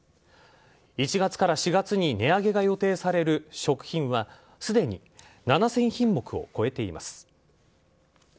１月から４月に値上げが予定される食品はすでに７０００品目を超えています。